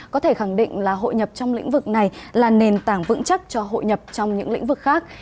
có thể khẳng định là hội nhập trong lĩnh vực này là nền tảng vững chắc cho hội nhập trong những lĩnh vực khác